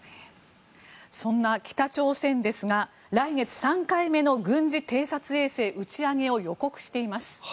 そんな北朝鮮ですが来月３回目の軍事偵察衛星打ち上げを予告しています。